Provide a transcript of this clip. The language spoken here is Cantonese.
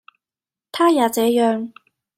他也這樣。